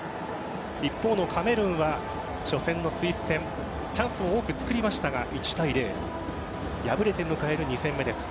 一方のカメルーンは初戦のスイス戦チャンスを多く作りましたが１対０と敗れて迎える２戦目です。